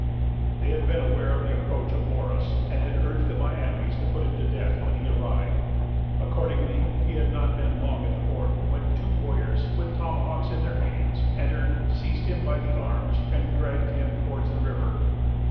They had been aware of the approach of Morris, and had urged the Miamis to put him to death when he arrived. Accordingly, he had not been long at the fort when two warriors, with tomahawks in their hands, entered, seized him by the arms, and dragged him towards the river.